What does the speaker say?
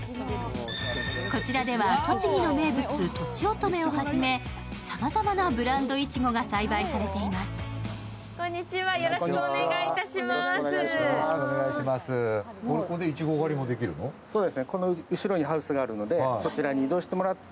こちらでは栃木の名物、とちおとめをはじめさまざまなブランドいちごが栽培されています。